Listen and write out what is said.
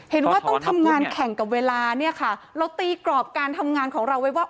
เห็นว่าต้องทำงานแข่งกับเวลาเนี่ยค่ะเราตีกรอบการทำงานของเราไว้ว่า